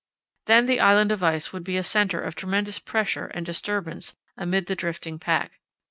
Then the island of ice would be a centre of tremendous pressure and disturbance amid the drifting pack.